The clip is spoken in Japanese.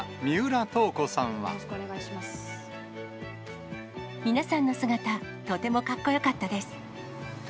皆さんの姿、とてもかっこよかったです。